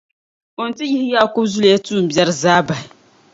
o ni ti yihi Yaakubu zuliya tuumbiɛri zaa bahi.